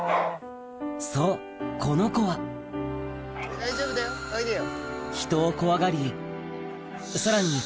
そうこの子は大丈夫だよおいでよ。